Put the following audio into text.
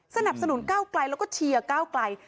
สนับสนุนก้าวไกลแล้วก็เชียร์ก้าวไกล